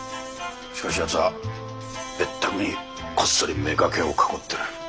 しかしやつは別宅にこっそり妾を囲ってる。